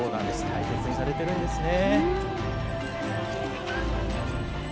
大切にされてるんですね。